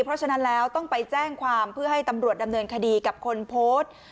เพราะฉะนั้นแล้วต้องไปแจ้งความเพื่อให้ตำรวจดำเนินคดีกับคนโพสต์